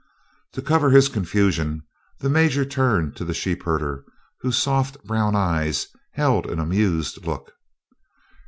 To cover his confusion, the Major turned to the sheepherder whose soft brown eyes held an amused look.